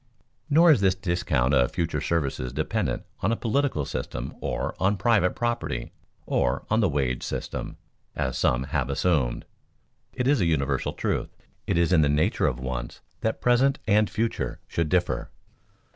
Nor is this discount of future services dependent on a political system or on private property or on the wage system, as some have assumed. It is a universal truth. It is in the nature of wants that present and future should differ.